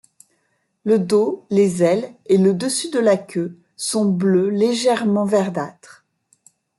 Le dos, les ailes et le dessus de la queue sont bleu légèrement verdâtre.